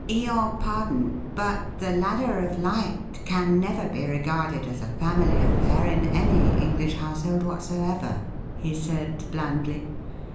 "Your pardon, but the Ladder of Light can never be regarded as a family affair in any English household whatsoever," he said, blandly.